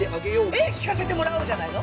ええ聞かせてもらおうじゃないの。